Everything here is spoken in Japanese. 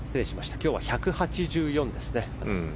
今日は１８４ですね。